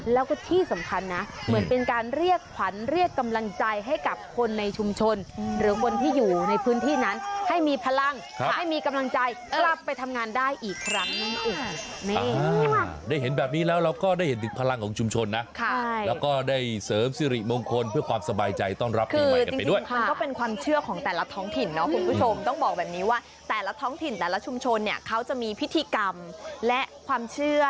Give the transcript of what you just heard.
ให้มีกำลังใจกลับไปทำงานได้อีกครั้งนั้นอีกได้เห็นแบบนี้แล้วเราก็ได้เห็นถึงพลังของชุมชนนะค่ะแล้วก็ได้เสริมสิริมงคลเพื่อความสบายใจต้องรับมีใหม่กันไปด้วยค่ะมันก็เป็นความเชื่อของแต่ละท้องถิ่นเนาะคุณผู้ชมต้องบอกแบบนี้ว่าแต่ละท้องถิ่นแต่ละชุมชนเนี่ยเขาจะมีพิธีกรรมและความเชื่อ